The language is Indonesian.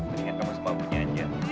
mendingan kamu semua punya aja